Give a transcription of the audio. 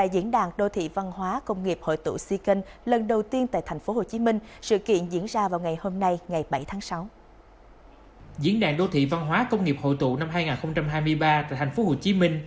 diễn đàn đô thị văn hóa công nghiệp hội tụ năm hai nghìn hai mươi ba tại tp hcm